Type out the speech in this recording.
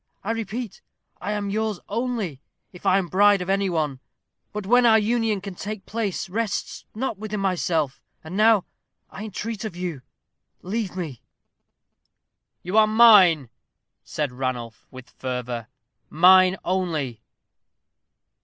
I repeat, I am yours only, if I am bride of any one. But when our union can take place rests not with myself. And now, I entreat of you, leave me." "You are mine," said Ranulph, with fervor; "mine only."